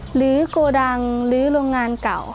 หรือก่อดังหรือโรงงานเก่า